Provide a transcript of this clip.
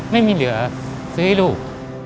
ไม่มีเหลือซื้อให้ลูก